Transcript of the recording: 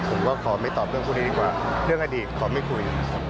ขอไม่ตอบเรื่องพวกนี้ดีกว่าเรื่องอดีตขอไม่คุย